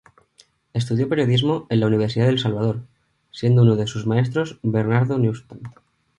Estudió periodismo en la "Universidad del Salvador", siendo uno de sus maestros Bernardo Neustadt.